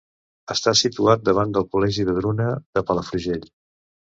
Està situat davant del Col·legi Vedruna de Palafrugell.